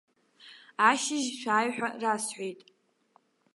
Ашьыжь шәааи ҳәа расҳәеит.